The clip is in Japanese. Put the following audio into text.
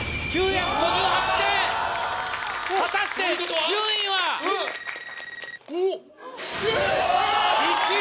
果たして順位は⁉１位！